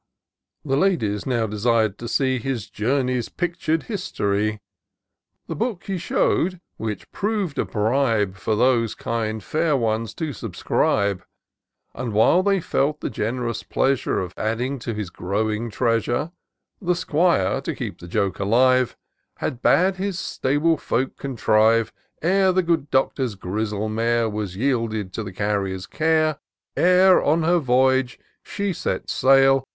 The Ladies now desir'd to see His journey's pictur'd history : The book he shew'd, which prov'd a bribe For those kind fair ones to subscribe; And, while they felt the gen'rous pleasure Of adding to his growing treasure, The 'Squire, to keep the joke alive, Had bade his stable folk contrive. Ere the good Doctor's grizzle mare Was yielded to the carrier's care; Ere on her voyage she set sail.